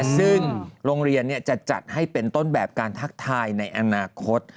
ซึ่งโรงเรียนจะจัดให้เป็นต้นแบบการทักทายในอนาคต